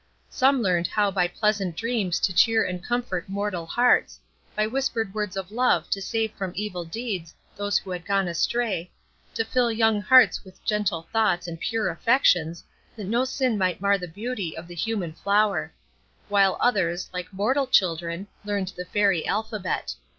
Some learned how by pleasant dreams to cheer and comfort mortal hearts, by whispered words of love to save from evil deeds those who had gone astray, to fill young hearts with gentle thoughts and pure affections, that no sin might mar the beauty of the human flower; while others, like mortal children, learned the Fairy alphabet.